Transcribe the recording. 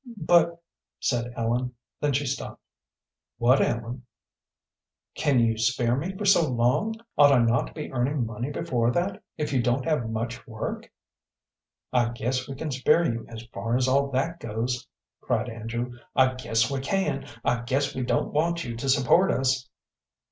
"But " said Ellen; then she stopped. "What, Ellen?" "Can you spare me for so long? Ought I not to be earning money before that, if you don't have much work?" "I guess we can spare you as far as all that goes," cried Andrew. "I guess we can. I guess we don't want you to support us."